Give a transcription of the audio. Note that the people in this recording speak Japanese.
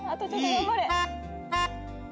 頑張れ！